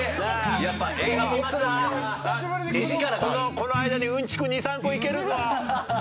「この間にうんちく２３個いけるぞ」